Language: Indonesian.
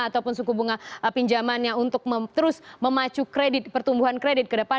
ataupun suku bunga pinjamannya untuk terus memacu kredit pertumbuhan kredit ke depan